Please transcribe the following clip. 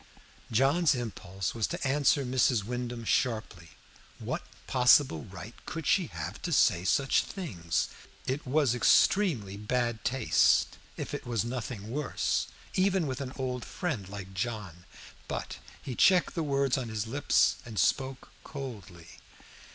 John's impulse was to answer Mrs. Wyndham sharply. What possible right could she have to say such things? It was extremely bad taste, if it was nothing worse, even with an old friend like John. But he checked the words on his lips and spoke coldly.